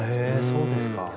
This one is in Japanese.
そうですか。